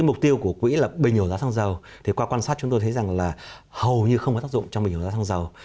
mục tiêu của quỹ bình ổn giá xăng dầu qua quan sát chúng tôi thấy rằng hầu như không có tác dụng trong bình ổn giá xăng dầu